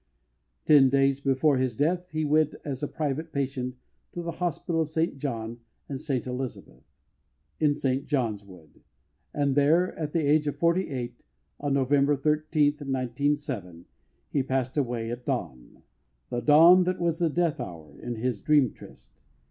Ten days before his death he went as a private patient to the Hospital of St John and St Elizabeth, in St John's Wood, and there, at the age of forty eight, on November 13, 1907, he passed away at dawn the dawn that was the death hour in his Dream Tryst.